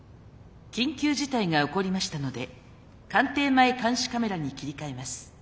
緊急事態が起こりましたので官邸前監視カメラに切り替えます。